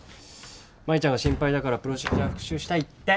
舞ちゃんが心配だからプロシージャー復習したいって。